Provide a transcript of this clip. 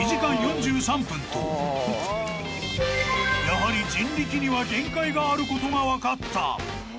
［やはり人力には限界があることが分かった］